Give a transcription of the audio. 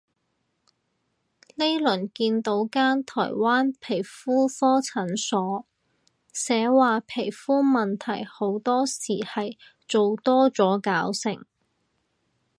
呢輪見到間台灣皮膚科診所，寫話皮膚問題好多時係做多咗搞成